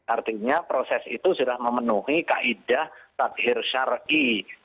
artinya proses itu sudah memenuhi kaedah tatwir syari'i